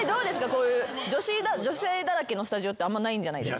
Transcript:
こういう女性だらけのスタジオってあんまないんじゃないですか？